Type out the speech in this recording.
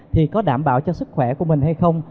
thì có đảm bảo cho sức khỏe của mình hay không